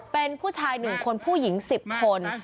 เป็นผู้ชาย๑คนผู้หญิง๑๐คน